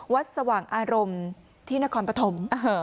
สว่างอารมณ์ที่นครปฐม